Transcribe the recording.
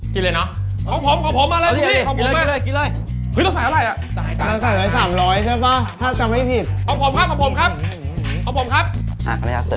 พี่ผ่าแล้วอะไรอ่ะเนี่ย